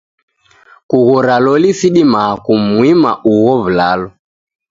Kughora loli sidimaa kumwima ugho w'ulalo.